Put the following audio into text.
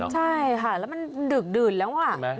ใช่ค่ะแล้วมันดึกดื่นแล้วอ่ะ